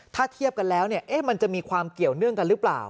ถ้าเทียบกันแล้วมันจะมีความเกี่ยวเนื่องกันหรือเปล่า